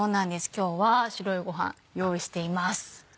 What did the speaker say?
今日は白いご飯用意しています。